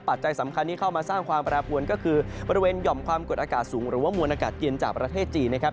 ปัจจัยสำคัญที่เข้ามาสร้างความแปรปวนก็คือบริเวณหย่อมความกดอากาศสูงหรือว่ามวลอากาศเย็นจากประเทศจีนนะครับ